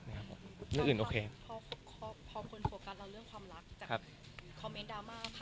พอคนโฟการ์เราเรื่องความรัก